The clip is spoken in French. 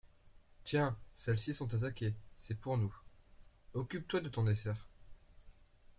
Tiens, celles-ci sont attaquées, c’est pour nous ; occupe-toi de ton dessert.